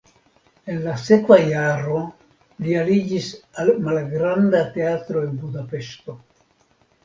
En la sekva jaro li aliĝis al malgranda teatro en Budapeŝto.